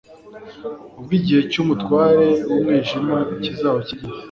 ubwo igihe cy'umutware w'umwijima kizaba kigeze,